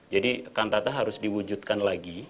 kantata harus diwujudkan lagi